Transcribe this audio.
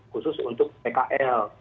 khusus untuk pkl